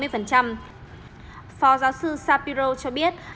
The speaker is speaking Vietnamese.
phó giáo sư shapiro cho biết